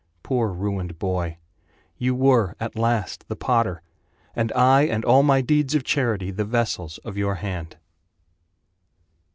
Poor ruined boy! You were, at last, the potter And I and all my deeds of charity The vessels of your hand.